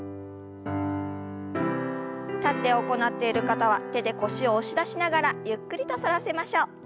立って行っている方は手で腰を押し出しながらゆっくりと反らせましょう。